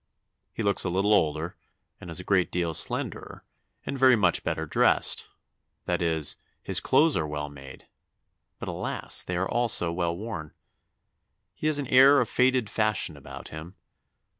He looks a little older, and is a great deal slenderer, and very much better dressed; that is, his clothes are well made, but alas! they are also well worn. He has an air of faded fashion about him.